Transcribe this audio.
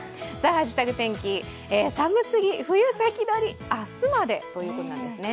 ハッシュタグ天気、寒すぎ、冬先どり明日までということですね。